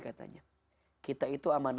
guna guna yang berhenti sebelum kenyang